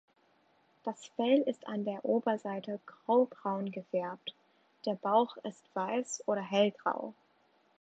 Das Fell ist an der Oberseite graubraun gefärbt, der Bauch ist weiß oder hellgrau.